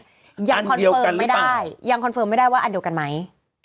อันเดียวกันหรือเปล่ายังคอนเฟิร์มไม่ได้ยังคอนเฟิร์มไม่ได้ว่าอันเดียวกันไหม